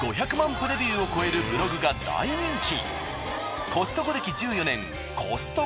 プレビューを超えるブログが大人気。